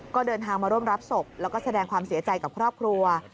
ก็เดินทางมาร่วมรับศพแล้วก็แสดงความเสียใจกับครอบครัว